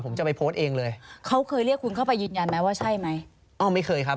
ผมจะไปโพสต์เองเลยเขาเคยเรียกคุณเข้าไปยืนยันไหมว่าใช่ไหมอ้าวไม่เคยครับ